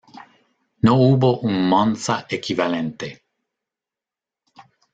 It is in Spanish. No hubo un Monza equivalente.